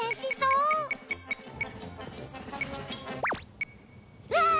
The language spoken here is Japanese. うわ！